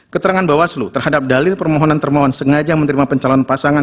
keterangan bawaslu terhadap dalil permohonan termohon sengaja menerima pencalon pasangan